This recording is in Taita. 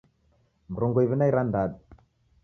Mrongo iw'i na irandadu